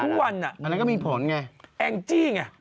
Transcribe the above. ทุกวันอันนั้นก็มีผลไงแองจี้ไง